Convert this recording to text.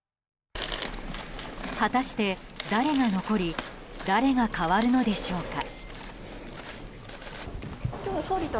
果たして誰が残り誰が代わるのでしょうか。